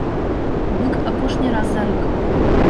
Бык апошні раз зарыкаў.